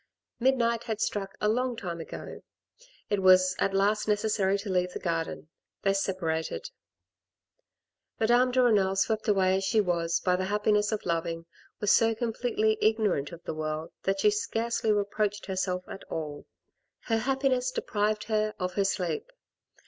Midnight had struck a long timo ago ; it was at last neces sary to leave the garden ; they separated. Madame de Renal swept away as she was, by the happiness of loving, was so completely ignorant of the world that she scarcely reproached herself at all. Her happiness deprived her of her sleep.